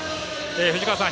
藤川さん